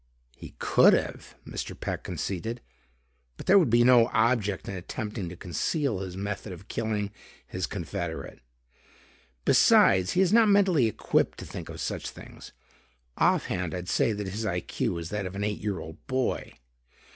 "He could have," Mr. Peck conceded, "but there would be no object in attempting to conceal his method of killing his confederate. Besides he is not mentally equipped to think of such things. Offhand, I'd say that his I. Q. is that of an eight year old boy.